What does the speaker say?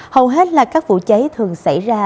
hầu hết là các vụ cháy thường xảy ra